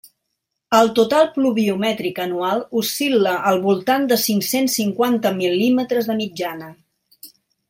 El total pluviomètric anual oscil·la al voltant de cinc-cents cinquanta mil·límetres de mitjana.